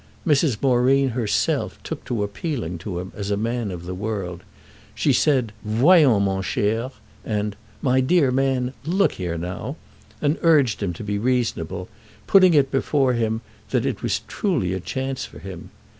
Mrs. Moreen herself took to appealing to him as a man of the world; she said "Voyons, mon cher," and "My dear man, look here now"; and urged him to be reasonable, putting it before him that it was truly a chance for him.